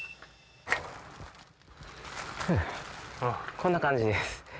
こんな感じです。